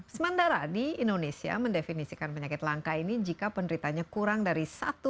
sementara di indonesia mendefinisikan penyakit langka ini jika penderitanya kurang dari satu